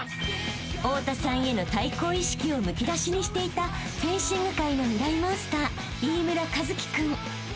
［太田さんへの対抗意識をむき出しにしていたフェンシング界のミライ☆モンスター飯村一輝君］